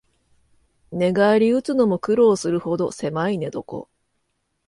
寝返りうつのも苦労するほどせまい寝床